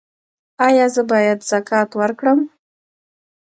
ایا زه باید زکات ورکړم؟